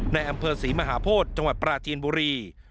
ในอำเภอศรีมหาโพธิจังหวัดปราจีนบุรี